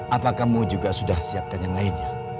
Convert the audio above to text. apa kamu juga sudah siapkan yang lainnya